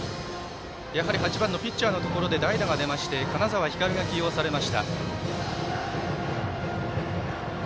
やはり、８番のピッチャーのところで代打が出まして、金澤光流が起用されました。